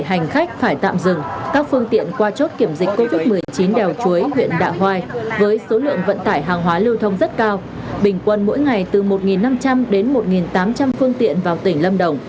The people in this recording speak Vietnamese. hành khách phải tạm dừng các phương tiện qua chốt kiểm dịch covid một mươi chín đèo chuối huyện đạ hoai với số lượng vận tải hàng hóa lưu thông rất cao bình quân mỗi ngày từ một năm trăm linh đến một tám trăm linh phương tiện vào tỉnh lâm đồng